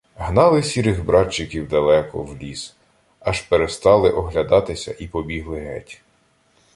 Гнали сірих братчиків далеко в ліс, аж перестали оглядатися і побігли геть.